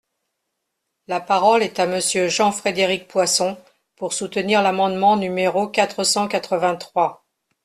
La parole est à Monsieur Jean-Frédéric Poisson, pour soutenir l’amendement numéro quatre cent quatre-vingt-trois.